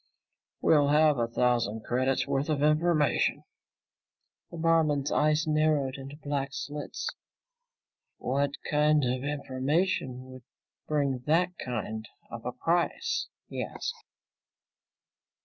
"We'll have a thousand credits worth of information." The barman's eyes narrowed into black slits. "What kind of information would bring that kind of a price?" he asked.